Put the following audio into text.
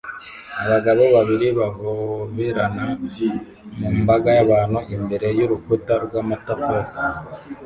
Abagabo babiri bahoberana mu mbaga y'abantu imbere y'urukuta rw'amatafari